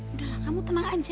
udah lah kamu tenang aja